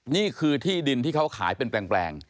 นี่คือที่ดินที่เขาขายเป็นแปลง